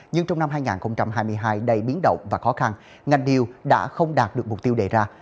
nhưng trong năm hai nghìn hai mươi hai đầy biến động và khó khăn ngành điều đã không đạt được mục tiêu đề ra